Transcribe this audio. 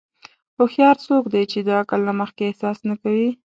هوښیار څوک دی چې د عقل نه مخکې احساس نه کوي.